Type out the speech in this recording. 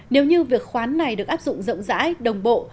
nếu như việc khoán này được áp dụng rộng rãi đồng bộ